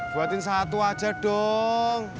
buatin satu aja dong